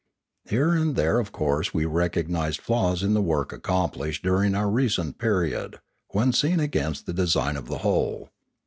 Here and there of course we recognised flaws in the work accomplished during our recent period, when seen against the design of the whole.